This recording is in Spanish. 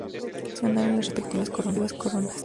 Ambas ganaron las respectivas coronas.